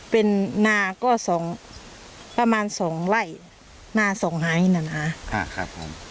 เป็นนาก็สองประมาณสองไล่นาสองไห้น่ะน่ะครับอ่าครับ